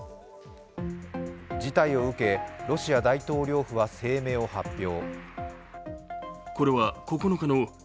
事態を受け、ロシア大統領府は声明を発表。